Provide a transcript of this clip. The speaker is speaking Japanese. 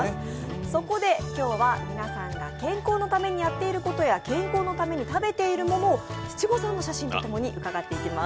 そこで今日は皆さんが健康のためにやっていることや健康のために食べているものを七五三の写真と共に伺っていきます。